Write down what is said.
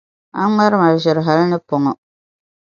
a ŋmari ma ʒiri hal ni pɔŋɔ.